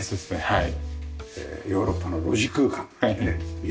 はい。